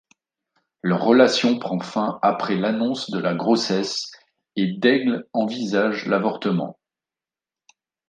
Leur relation prend fin après l'annonce de la grossesse et Daigle envisage l'avortement.